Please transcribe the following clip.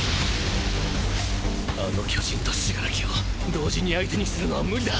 あの巨人と死柄木を同時に相手にするのは無理だ！